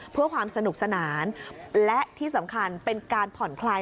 เพื่อความสนุกสนานและที่สำคัญเป็นการผ่อนคลาย